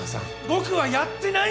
僕はやってないんです！